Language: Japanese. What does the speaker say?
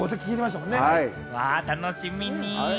お楽しみに！